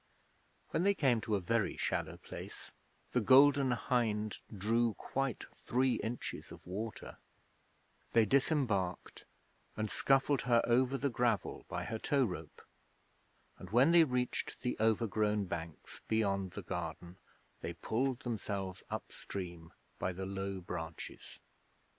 When they came to a very shallow place (the Golden Hind drew quite three inches of water) they disembarked and scuffled her over the gravel by her tow rope, and when they reached the overgrown banks beyond the garden they pulled themselves up stream by the low branches.